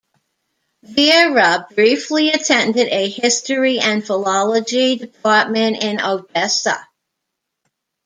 Vera briefly attended a History and Philology department in Odessa.